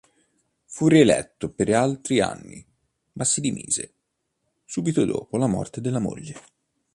Fu rieletto per altri anni ma si dimise subito dopo la morte della moglie.